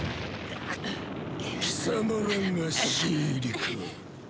貴様らが新入りか。